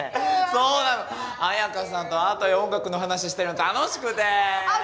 そうなの綾香さんとアートや音楽の話してるの楽しくてあっ